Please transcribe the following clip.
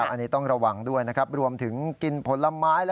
อันนี้ต้องระวังด้วยนะครับรวมถึงกินผลไม้